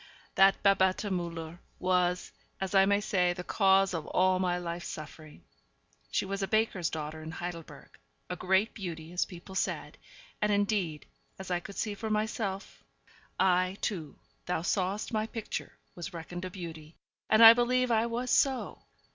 That Babette Müller was, as I may say, the cause of all my life's suffering. She was a baker's daughter in Heidelberg a great beauty, as people said, and, indeed, as I could see for myself I, too thou sawest my picture was reckoned a beauty, and I believe I was so.